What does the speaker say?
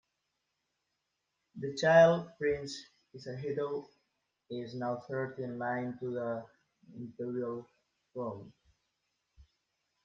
The child, Prince Hisahito, is now third in line to the Imperial Throne.